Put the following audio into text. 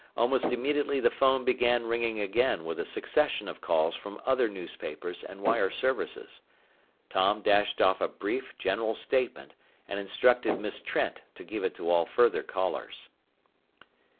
Almost immediately the phone began ringing again with a succession of calls from other newspapers and wire services. Tom dashed off a brief, general statement and instructed Miss Trent to give it to all further callers.